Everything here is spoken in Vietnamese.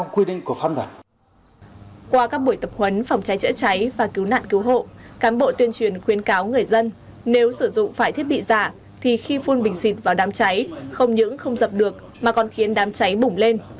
qua các buổi tập huấn phòng cháy chữa cháy và cứu nạn cứu hộ cán bộ tuyên truyền khuyến cáo người dân nếu sử dụng phải thiết bị giả thì khi phun bình xịt vào đám cháy không những không dập được mà còn khiến đám cháy bủng lên